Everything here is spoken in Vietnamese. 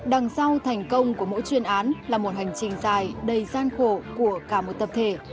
đằng sau thành công của mỗi chuyên án là một hành trình dài đầy gian khổ của cả một tập thể